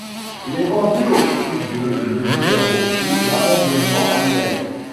Il est vendu au prix de le numéro ou l’abonnement annuel.